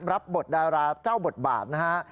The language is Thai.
รับบทดาราเจ้าบทบาทนะฮะ